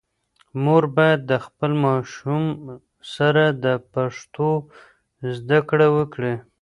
مور باید د خپل ماشوم سره د پښتو زده کړه وکړي.